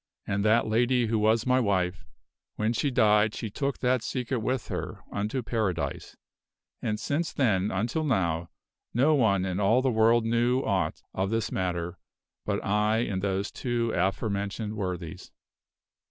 And that lady who was my wife, when she died she took that secret with her unto Para dise, and since then until now no one in all the world knew aught of this matter but I and those two aforementioned worthies.